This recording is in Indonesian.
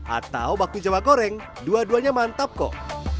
atau bakmi jawa goreng dua duanya mantap kok